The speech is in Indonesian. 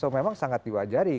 so memang sangat diwajari